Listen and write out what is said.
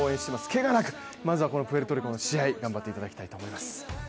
けがなくまずはこのプエルトリコの試合、頑張っていただきたいと思います。